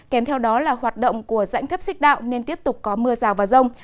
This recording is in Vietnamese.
kèm theo đó là hoạt động của dãnh thấp xích đạo nên tiếp tục có mưa rào và rông